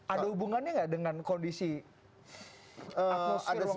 ada hubungannya enggak dengan kondisi atmosfer orang publik